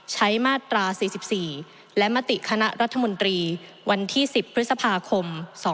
มาตรา๔๔และมติคณะรัฐมนตรีวันที่๑๐พฤษภาคม๒๕๖